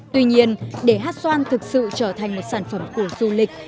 tuy nhiên để hát xoan thực sự trở thành một sản phẩm của du lịch